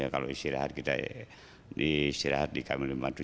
kalau istirahat kita istirahat di km lima puluh tujuh